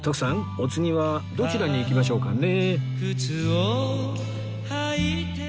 お次はどちらに行きましょうかね？